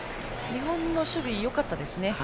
日本の守備よかったですね。